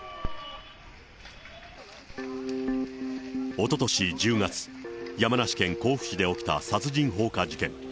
おととし１０月、山梨県甲府市で起きた殺人放火事件。